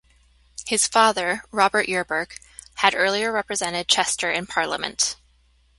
His father, Robert Yerburgh, had earlier represented Chester in Parliament.